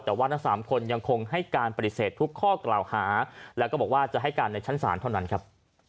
แต่ว่าทั้งสามคนยังคงให้การปฏิเสธทุกข้อกล่าวหาแล้วก็บอกว่าจะให้การในชั้นศาลเท่านั้นครับ